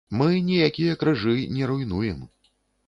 Мы ніякія крыжы не руйнуем.